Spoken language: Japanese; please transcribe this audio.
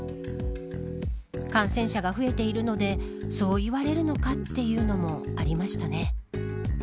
感染者が増えているのでそう言われるのかっていうのもありましたね。